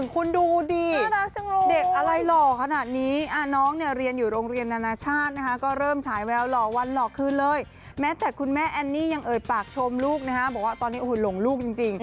คุณดูดิเด็กอะไรหล่อขนาดนี้